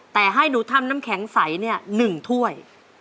แต่ให้หนูทำน้ำแข็งใสเนี่ย๑ถ้วย